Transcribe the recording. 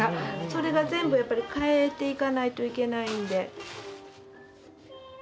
それが全部やっぱり変えていかないといけないんで。